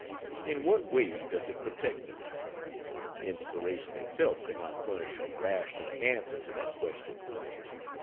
In what way does it protect them? Inspiration itself could not furnish a rational answer to that question.